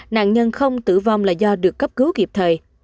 nạn nhân không tử vong là do được cấp cứu kịp thời